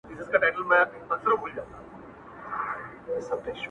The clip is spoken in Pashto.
څه ژوند كولو ته مي پريږده كنه .